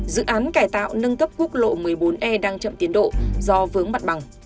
dự án cải tạo nâng cấp quốc lộ một mươi bốn e đang chậm tiến độ do vướng mặt bằng